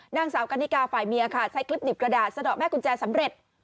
นางสาวกันนิกาฝ่ายเมียค่ะใช้คลิปหนีบกระดาษสะดอกแม่กุญแจสำเร็จ